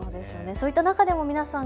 そういった中でも皆さん